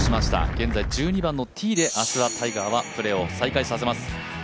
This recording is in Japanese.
現在１２番のティーで明日はタイガーはプレーを再開させます。